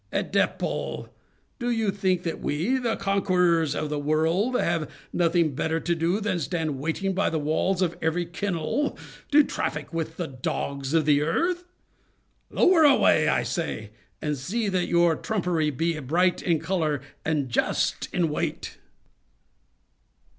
Ædepol! do you think that we, the conquerors of the world, have nothing better to do than stand waiting by the walls of every kennel, to traffic with the dogs of the earth? Lower away! I say—and see that your trumpery be bright in color and just in weight!"